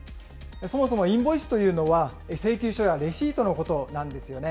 そもそもインボイスというのは、請求書やレシートのことなんですよね。